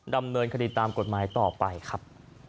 ดำเนินคดีตามกฎหมายต่อไปครับ